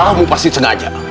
kamu pasti sengaja